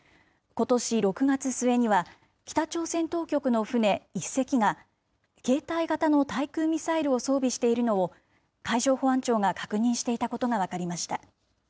ことし６月末には、北朝鮮当局の船１隻が、携帯型の対空ミサイルを装備しているのを、海上保安庁が確認していたことが分かりました。